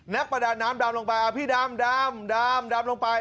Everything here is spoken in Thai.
ประดาน้ำดำลงไปพี่ดำดำลงไป